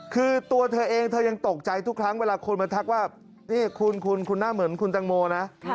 คือตัวเธอเองเธอยังตกใจทุกครั้งเวลาคนมาทักว่านี่คุณคุณหน้าเหมือนคุณตังโมนะ